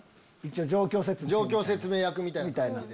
状況説明役みたいな感じで。